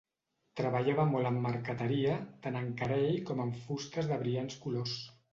Treballava molt en marqueteria, tant en carei com en fustes de brillants colors.